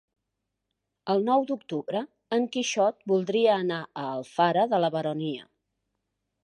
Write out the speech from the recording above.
El nou d'octubre en Quixot voldria anar a Alfara de la Baronia.